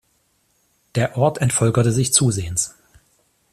Der Ort entvölkerte sich zusehends.